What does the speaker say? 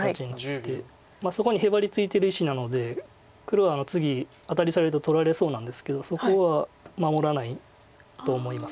そこにへばりついてる石なので黒は次アタリされると取られそうなんですけどそこは守らないと思います。